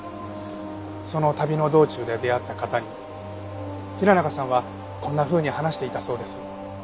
その旅の道中で出会った方に平中さんはこんなふうに話していたそうです。